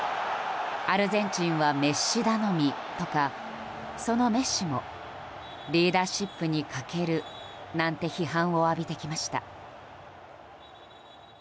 アルゼンチンはメッシ頼みとかそのメッシもリーダーシップに欠けるなんて批判を浴びてきました。